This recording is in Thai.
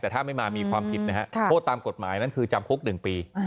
แต่ถ้าไม่มามีความผิดนะฮะโทษตามกฎหมายนั้นคือจำคุก๑ปี